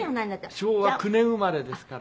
昭和９年生まれですから。